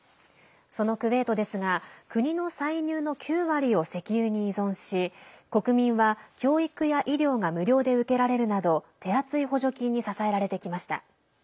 そのクウェートですが国の歳入の９割を石油に依存し国民は教育や医療が無料で受けられるなど手厚い補助金に支えられてきました。